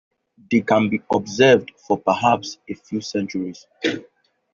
They can be observed for perhaps a few centuries.